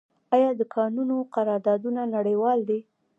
آیا د کانونو قراردادونه نړیوال دي؟